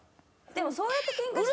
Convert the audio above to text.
でもそうやってケンカして。